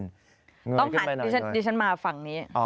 หันดิฉันมาฝั่งนี้